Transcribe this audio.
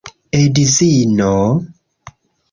Edzino?